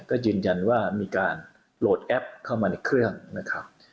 ก็ยืนยันว่ามีการโหลดแอปเข้ามาในเครื่องนะครับ